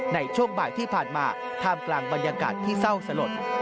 ในช่วงบ่ายที่ผ่านมาท่ามกลางบรรยากาศที่เศร้าสลด